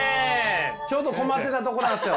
ちょうど困ってたとこなんすよ。